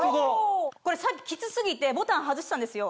これさっきキツ過ぎてボタン外してたんですよ。